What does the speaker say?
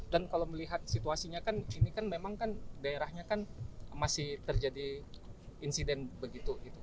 dan kalau melihat situasinya kan ini kan memang kan daerahnya kan masih terjadi insiden begitu